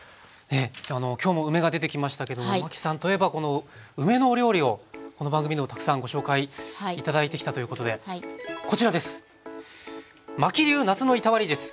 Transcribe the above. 今日も梅が出てきましたけどマキさんといえばこの梅のお料理をこの番組でもたくさんご紹介頂いてきたということでこちらです！